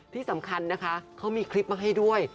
ที่สำคัญนะคะเขามีคลิปมาให้ด้วย